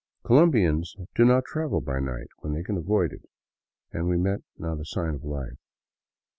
Colombians do not travel by night when they can avoid it, and we met not a sign of life.